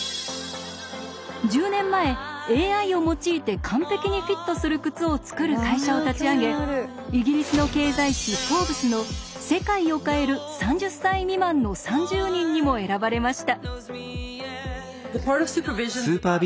１０年前ＡＩを用いて完璧にフィットする靴を作る会社を立ち上げイギリスの経済誌「Ｆｏｒｂｅｓ」の「世界を変える３０歳未満の３０人」にも選ばれました。